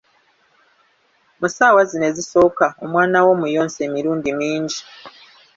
Mu ssaawa zino ezisooka, omwana wo muyonse emirundi mingi.